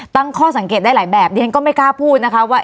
ตั้งข้อสังเกตได้หลายแบบดิฉันก็ไม่กล้าพูดนะคะว่า